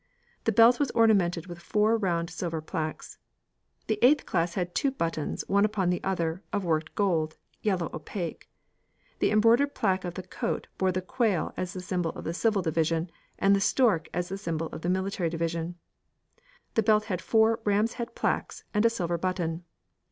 The belt was ornamented with four round silver plaques. The eighth class had two buttons, one upon the other, of worked gold yellow opaque. The embroidered plaque of the coat bore the quail as the symbol of the civil division, and the stork as the symbol of the military division. The belt had four ram's head plaques and a silver button.